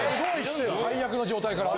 最悪の状態から。